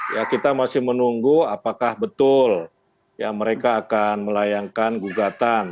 ya kita masih menunggu apakah betul ya mereka akan melayangkan gugatan